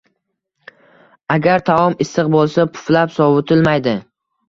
Agar taom issiq bo‘lsa, puflab sovutilmaydi.